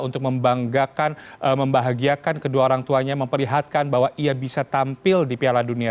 untuk membanggakan membahagiakan kedua orang tuanya memperlihatkan bahwa ia bisa tampil di piala dunia